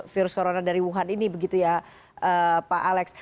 virus corona dari wuhan ini begitu ya pak alex